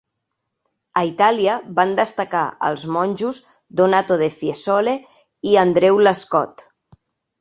A Itàlia van destacar els monjos Donato de Fiesole i Andreu l'Escot.